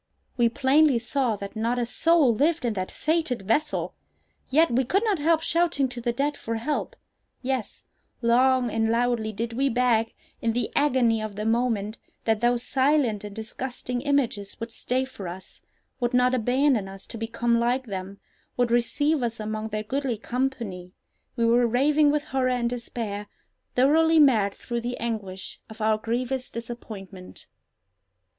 We plainly saw that not a soul lived in that fated vessel! Yet we could not help shouting to the dead for help! Yes, long and loudly did we beg, in the agony of the moment, that those silent and disgusting images would stay for us, would not abandon us to become like them, would receive us among their goodly company! We were raving with horror and despair—thoroughly mad through the anguish of our grievous disappointment.